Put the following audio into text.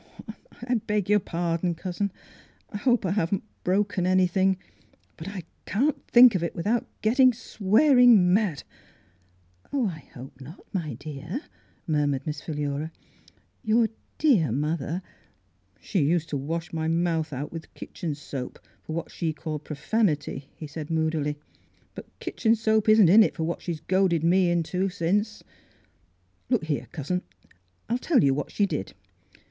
" I beg your pardon, cousin ! Hope I haven't broken anything. But I can't think of it without getting swearing mad !"" Oh, I hope not, my dear," murmured Miss Philura. " Your dear mother —"" She used to wash my mouth out with kitchen soap for what she called profan ity," he said moodily. " But kitchen soap isn't in it for what she's goaded me into, Mdss Fhilura's Wedding Gown since. Look here, cousin, I'll tell you what she did.